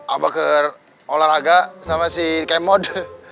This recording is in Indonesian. abah ke olahraga sama si k mod